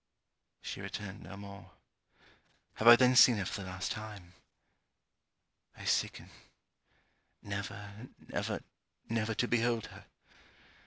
She returned no more. Have I then seen her for the last time? I sicken. Never, never, never, to behold her!